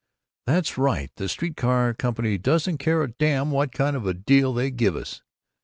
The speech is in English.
"That's right. The Street Car Company don't care a damn what kind of a deal they give us.